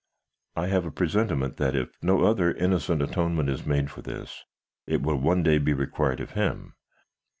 I have a presentiment that if no other innocent atonement is made for this, it will one day be required of him.